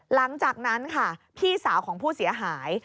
หลังจากนั้นค่ะพี่สาวของผู้เสียหาย